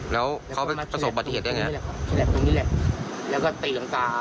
แล้วเขาไปประสบบัติเหตุได้ไงฉลับตรงนี้แหละแล้วก็ตีรังกา